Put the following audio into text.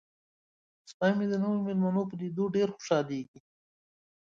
سپی مې د نویو میلمنو په لیدو ډیر خوشحالیږي.